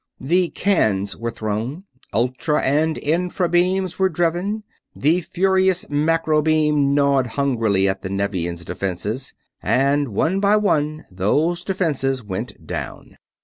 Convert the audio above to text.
The "cans" were thrown, ultra and infra beams were driven, the furious macro beam gnawed hungrily at the Nevian's defenses; and one by one those defenses went down.